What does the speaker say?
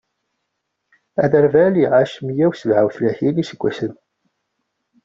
Aderbal iɛac meyya u sebɛa u tlatin n iseggasen.